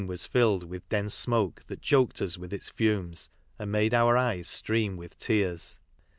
was filled with dense smoke that choked us with its fumes, and made our eyes stream with tears.